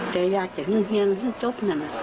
แต่อยากจะให้เฮียนจบนั้น